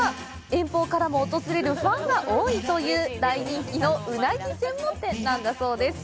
遠方からも訪れるファンが多いという大人気のウナギ専門店なんだそうです。